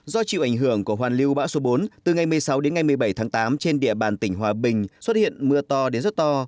do chịu ảnh hưởng của hoàn lưu bão số bốn từ ngày một mươi sáu đến ngày một mươi bảy tháng tám trên địa bàn tỉnh hòa bình xuất hiện mưa to đến rất to